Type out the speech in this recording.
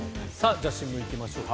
じゃあ、新聞行きましょうか。